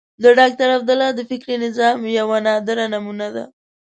ډاکټر عبدالله د فکري نظام یوه نادره نمونه ده.